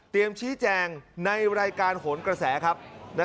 เตรียมชี้แจงในรายการโหลกระแสครับ